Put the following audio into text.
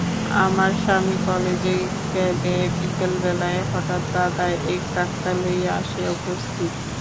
আমার স্বামী কালেজে গেলে বিকালবেলায় হঠাৎ দাদা এক ডাক্তার লইয়া আসিয়া উপস্থিত।